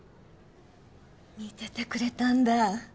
見ててくれたんだ。